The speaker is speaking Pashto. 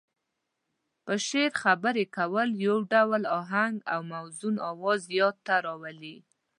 په شعر خبرې کول يو ډول اهنګ او موزون اواز ياد ته راولي.